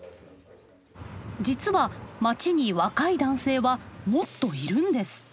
実は町に若い男性はもっといるんです。